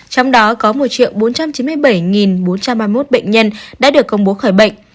trong đó có một bốn trăm chín mươi bảy bốn trăm ba mươi một bệnh nhân đã được công bố khỏi bệnh